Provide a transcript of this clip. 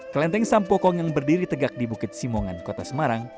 kelenteng sampokong yang berdiri tegak di bukit simongan kota semarang